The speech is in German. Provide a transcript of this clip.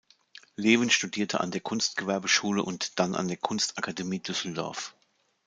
Leven studierte an der Kunstgewerbeschule und dann an der Kunstakademie Düsseldorf.